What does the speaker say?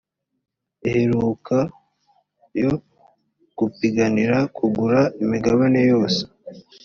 iheruka yo gupiganira kugura imigabane yose